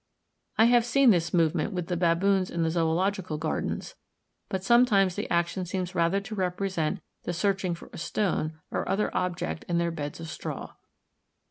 I have seen this movement with the baboons in the Zoological Gardens; but sometimes the action seems rather to represent the searching for a stone or other object in their beds of straw.